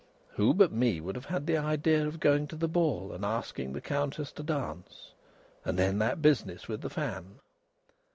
"Who but me would have had the idea of going to the ball and asking the Countess to dance?... And then that business with the fan!"